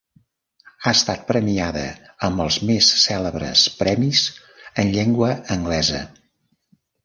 Ha estat premiada amb els més cèlebres premis en llengua anglesa.